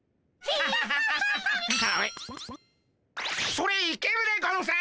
それいけるでゴンス！